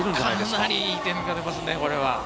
かなりいい点が出ますね。